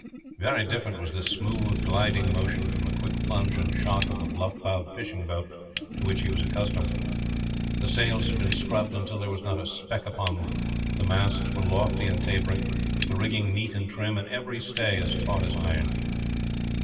Very different was this smooth, gliding motion from the quick plunge and shock of the bluff bowed fishing boat to which he was accustomed. The sails had been scrubbed until there was not a speck upon them. The masts were lofty and tapering, the rigging neat and trim, and every stay as taut as iron.